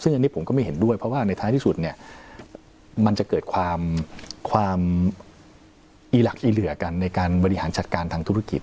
ซึ่งอันนี้ผมก็ไม่เห็นด้วยเพราะว่าในท้ายที่สุดเนี่ยมันจะเกิดความความอีหลักอีเหลือกันในการบริหารจัดการทางธุรกิจ